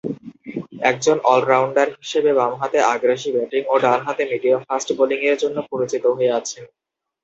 একজন অল-রাউন্ডার হিসেবে বামহাতে আগ্রাসী ব্যাটিং ও ডানহাতে মিডিয়াম ফাস্ট বোলিংয়ের জন্য পরিচিত হয়ে আছেন।